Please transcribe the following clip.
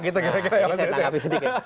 ini saya tanggapi sedikit